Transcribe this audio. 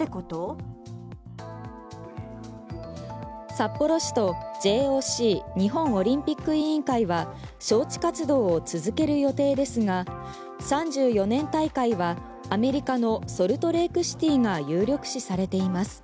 札幌市とＪＯＣ・日本オリンピック委員会は招致活動を続ける予定ですが３４年大会はアメリカのソルトレークシティーが有力視されています。